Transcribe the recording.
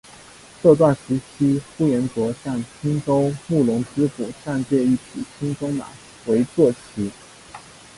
这段时期呼延灼向青州慕容知府暂借一匹青鬃马为坐骑。